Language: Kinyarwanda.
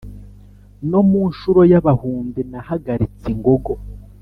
no mu nshuro y'abahunde nahagalitse ingogo,